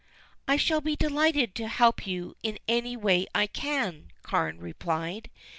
"I shall be delighted to help you in any way I can," Carne replied.